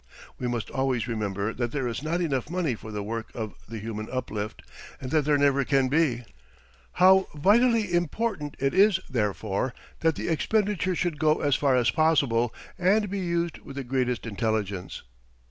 We must always remember that there is not enough money for the work of human uplift and that there never can be. How vitally important it is, therefore, that the expenditure should go as far as possible and be used with the greatest intelligence!